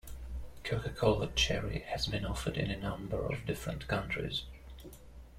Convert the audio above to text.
Coca-Cola Cherry has been offered in a number of different countries.